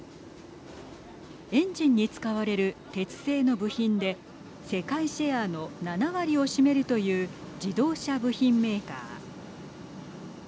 エンジンに使われる鉄製の部品で世界シェアの７割を占めるという自動車部品メーカー。